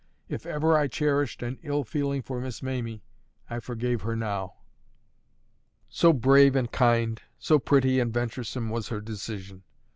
If ever I cherished an ill feeling for Miss Mamie, I forgave her now; so brave and kind, so pretty and venturesome, was her decision.